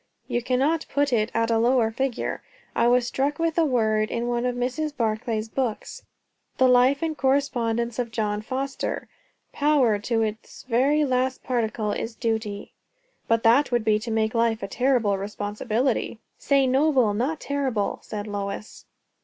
"You cannot put it at a lower figure. I was struck with a word in one of Mrs. Barclay's books 'the Life and Correspondence of John Foster,' 'Power, to its very last particle, is duty.'" "But that would be to make life a terrible responsibility." "Say noble not terrible!" said Lois.